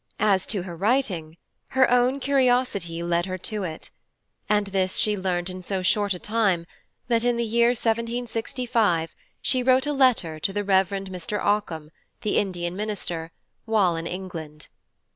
As to her WRITING, her own Curiosity led her to it; and this she learnt in so short a Time, that in the Year 1765, she wrote a Letter to the Rev. Mr. OCCOM, the Indian Minister, while in England.